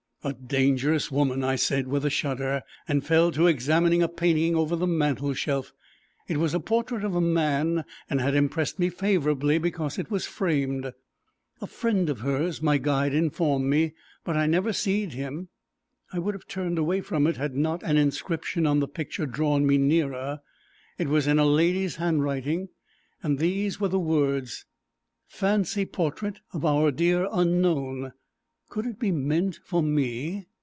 "A dangerous woman," I said, with a shudder, and fell to examining a painting over the mantel shelf. It was a portrait of a man, and had impressed me favourably because it was framed. "A friend of hers," my guide informed me, "but I never seed him." I would have turned away from it, had not an inscription on the picture drawn me nearer. It was in a lady's handwriting, and these were the words: "Fancy portrait of our dear unknown." Could it be meant for me?